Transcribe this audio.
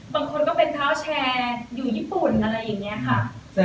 ก็เป็นเท้าแชร์อยู่ญี่ปุ่นอะไรอย่างนี้ค่ะ